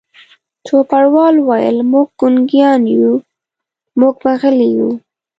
چوپړوال وویل: موږ ګونګیان یو، موږ به غلي وو.